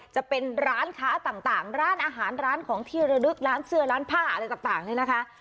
จะเป็นร้านค้าต่างร้านอาหารร้านของที่ระลึกร้านเสื้อร้านผ้าอะไรต่างเนี่ยนะคะ